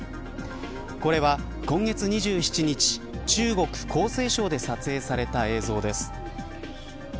これは、今月２７日中国、江西省で撮影された映像です。